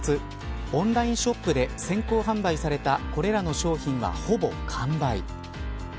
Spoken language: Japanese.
オンラインショップで先行販売されたこれらの商品はほぼ完売。